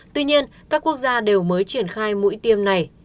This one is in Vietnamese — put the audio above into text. tuy nhiên các quốc gia đều mới triển khai mũi tiêm này